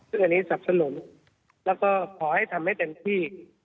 ซึ่งอันนี้สับสนุนแล้วก็ขอให้ทำให้เต็มที่